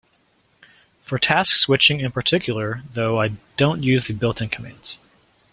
For task switching in particular, though, I don't use the built-in commands.